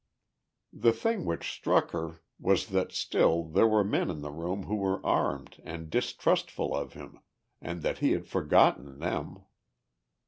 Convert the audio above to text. The thing which struck her was that still there were men in the room who were armed and distrustful of him and that he had forgotten them.